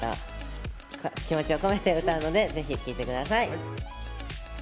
気持ちを込めて歌うのでぜひ聴いてください。